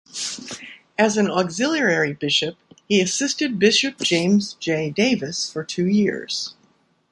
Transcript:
As an auxiliary bishop, he assisted Bishop James J. Davis for two years.